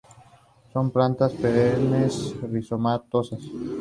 Son plantas perennes, rizomatosas.